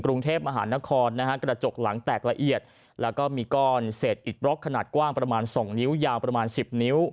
กรุงเทพมหานครนะฮะกระจกหลังแตกละเอียดแล้วก็มีก้อนเศษอิดบล็อกขนาดกว้างประมาณ๒นิ้วยาวประมาณ๑๐นิ้ว